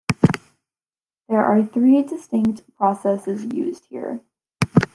There are three distinct processes used here.